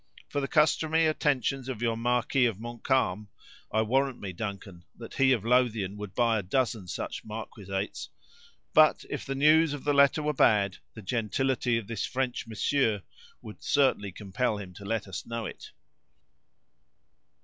For the customary attentions of your Marquis of Montcalm—I warrant me, Duncan, that he of Lothian would buy a dozen such marquisates—but if the news of the letter were bad, the gentility of this French monsieur would certainly compel him to let us know it."